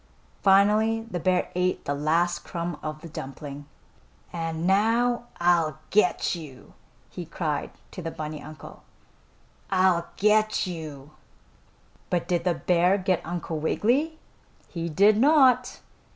Finally the bear ate the last crumb of the dumpling. "And now I'll get you!" he cried to the bunny uncle; "I'll get you!" But did the bear get Uncle Wiggily? He did not.